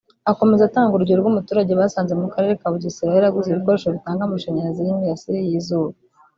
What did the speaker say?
Akomeza atanga urugero rw’umuturage basanze mu Karere ka Bugesera yaraguze ibikoresho bitanga amashanyarazi y’imirasire y’izuba